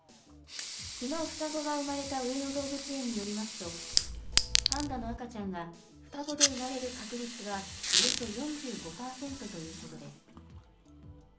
きのう、双子が産まれた上野動物園によりますと、パンダの赤ちゃんが双子で産まれる確率はおよそ４５％ということです。